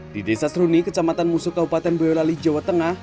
di desa seruni kecamatan musuh kabupaten boyolali jawa tengah